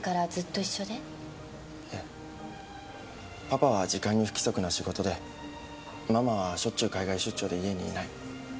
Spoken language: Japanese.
パパは時間に不規則な仕事でママはしょっちゅう海外出張で家にいない。